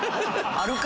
あるか！